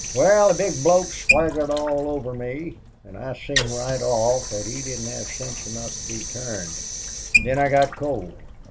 "Wal, the big bloke swaggered all over me, an' I seen right off thet he didn't have sense enough to be turned. Then I got cold.